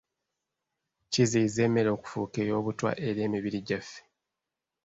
Kiziyiza emmere okufuuka ey'obutwa eri emibiri gyaffe.